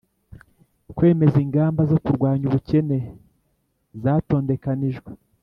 kwemeza ingamba zo kurwanya ubukene zatondekanijwe